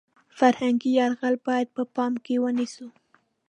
فرهنګي یرغل باید په پام کې ونیسو .